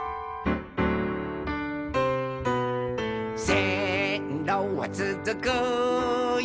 「せんろはつづくよ